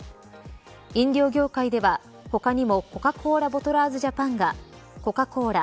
飲料業界では他にもコカ・コーラボトラーズジャパンがコカ・コーラ